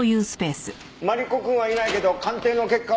マリコ君はいないけど鑑定の結果を。